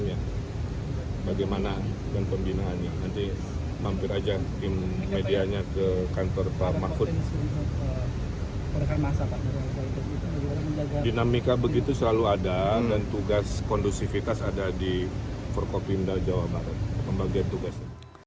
al zaitun pemimpin pesantren al zaitun